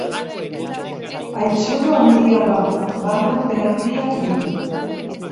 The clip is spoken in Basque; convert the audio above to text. Haitzulo handia da, barrunbe handiak ditu.